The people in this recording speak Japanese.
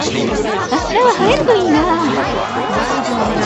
明日は晴れるといいな。